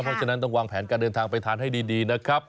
เพราะฉะนั้นต้องวางแผนการเดินทางไปทานให้ดีนะครับ